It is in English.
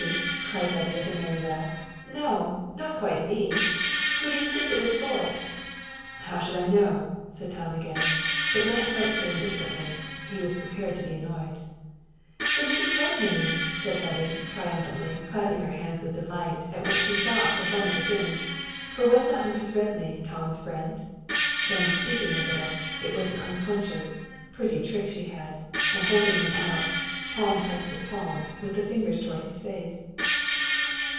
cried Letty, with merry laugh; "no, not quite me. Who do you think it was for?" "How should I know?" said Tom again, but not quite so indifferently; he was prepared to be annoyed. "For Mrs. Redmain!" said Letty, triumphantly, clapping her hands with delight at what she thought the fun of the thing, for was not Mrs. Redmain Tom's friend? then stooping a little it was an unconscious, pretty trick she had and holding them out, palm pressed to palm, with the fingers toward his face.